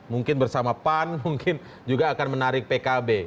mungkin bersama pan mungkin juga akan menarik pkb